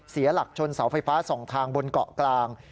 เสียหลักชนเสาไฟฟ้า๒ทางบนเกาะกลาง